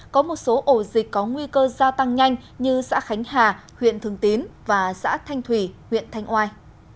có một số ổ dịch có nguy cơ gia tăng nhanh như xã khánh hà huyện thường tín và xã thanh thủy huyện thanh oai